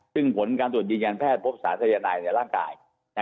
จึงผลการตรวจจริงการแพทย์โทรศาสตรายนายในร่างกาย